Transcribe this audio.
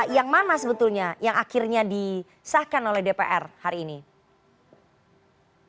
yang mana sebetulnya yang akhirnya disahkan oleh dpr hari ini